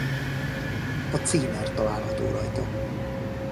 A címer található rajta.